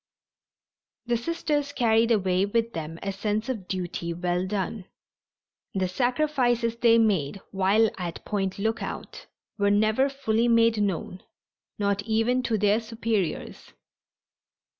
The Sisters carried away with them a sense of duty well done. The sacrifices they made while at Point Lookout were never fully made known, not even to their superiors.